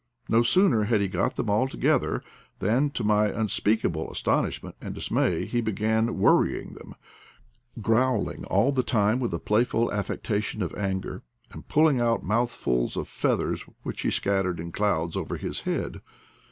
No sooner had he got them all together than, to my unspeakable astonishment and dismay, he be gan worrying them, growling all the time with a playful affectation of anger, and pulling out mouthf uls of feathers which he scattered in clouds over his head.